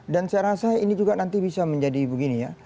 dan saya rasa ini juga nanti bisa menjadi begini ya